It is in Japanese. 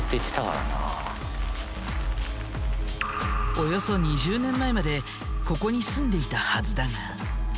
およそ２０年前までここに住んでいたはずだが。